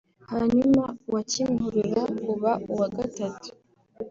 hanyuma uwa Kimihurura uba uwa gatatu